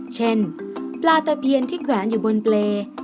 เช่นปลาตะเพียนที่แขวนอยู่บนเปรย์